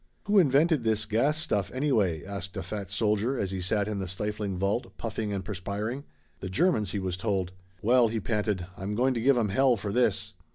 "Who invented this gas stuff, anyway?" asked a fat soldier, as he sat in the stifling vault, puffing and perspiring. "The Germans," he was told. "Well," he panted, "I'm going to give 'em hell for this."